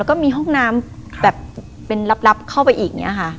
แล้วก็มีห้องน้ำแบบเป็นรับเข้าไปอีก